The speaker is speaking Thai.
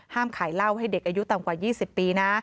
ขายเหล้าให้เด็กอายุต่ำกว่า๒๐ปีนะ